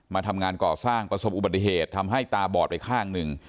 มาทำงานก่อสร้างประสบอุบัติเหตุทำให้ตาบอดไปข้างหนึ่ง